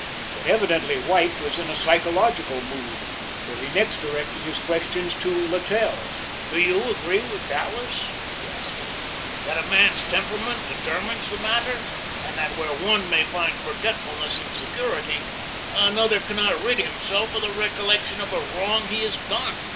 But evidently White was in a psychological mood, for he next directed his questions to Littell. "Do you agree with Dallas," he asked him, "that a man's temperament determines the matter, and that where one may find forgetfulness in security, another cannot rid himself of the recollection of a wrong he has done?"